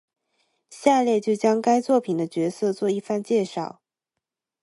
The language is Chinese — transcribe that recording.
下列就将该作品的角色做一番介绍。